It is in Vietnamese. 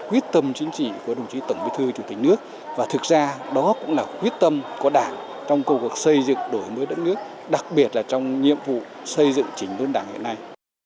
quyết tâm chính trị của đồng chí tổng bí thư chủ tịch nước và thực ra đó cũng là quyết tâm của đảng trong cầu cuộc xây dựng đổi mới đất nước đặc biệt là trong nhiệm vụ xây dựng chỉnh đốn đảng hiện nay